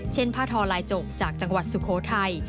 เช่นพาทไลจมจากจังหวัดสุโคไทย